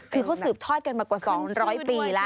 คือเขาสืบทอดกันมากว่า๒๐๐ปีแล้ว